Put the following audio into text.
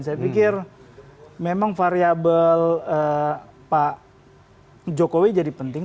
saya pikir memang variable pak jokowi jadi penting